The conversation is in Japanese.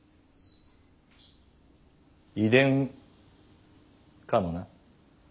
遺伝かもな。